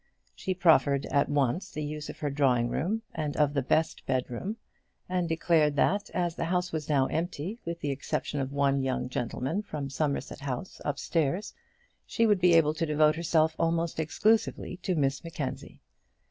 She proffered at once the use of her drawing room and of the best bedroom, and declared that as the house was now empty, with the exception of one young gentleman from Somerset House upstairs, she would be able to devote herself almost exclusively to Miss Mackenzie.